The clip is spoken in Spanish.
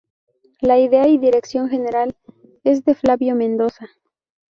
La idea y dirección general, es de Flavio Mendoza.